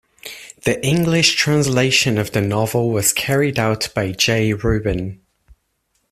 The English translation of the novel was carried out by Jay Rubin.